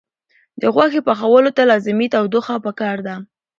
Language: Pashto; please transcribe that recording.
د غوښې پخولو ته لازمي تودوخه پکار ده.